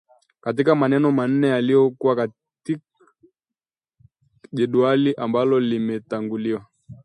katika maneno manne yaliyo katiak jedwali ambalo limetanguliwa